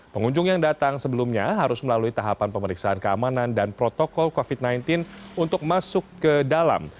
pengunjung yang datang sebelumnya harus melalui tahapan pemeriksaan keamanan dan protokol covid sembilan belas untuk masuk ke dalam